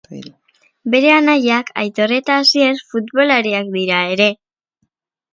Bere anaiak Aitor eta Asier futbolariak dira ere.